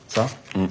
うん。